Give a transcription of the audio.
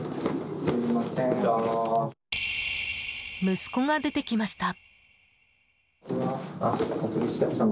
息子が出てきました。